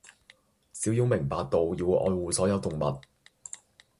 小勇明白到要愛護所有嘅動物